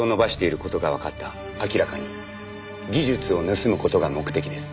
明らかに技術を盗む事が目的です。